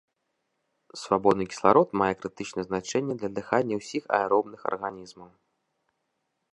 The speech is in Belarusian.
Свабодны кісларод мае крытычнае значэнне для дыхання ўсіх аэробных арганізмаў.